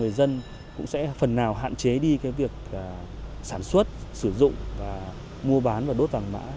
với những người dân đốt vàng mã